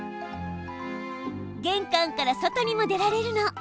げん関から外にも出られるの。